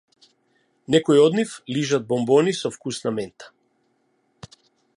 Некои од нив лижат бонбони со вкус на мента.